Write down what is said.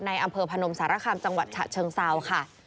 อำเภอพนมสารคามจังหวัดฉะเชิงเซาค่ะ